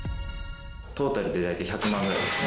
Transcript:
トータルでだいたい１００万ぐらいですね。